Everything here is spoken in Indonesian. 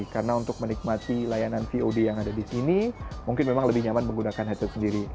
karena untuk menikmati layanan vod yang ada di sini mungkin memang lebih nyaman menggunakan headset sendiri